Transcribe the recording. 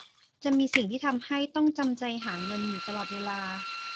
จะมีสิ่งที่ทำให้ต้องจำใจหาเงินอยู่ตลอดเวลา